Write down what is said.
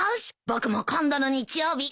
僕も今度の日曜日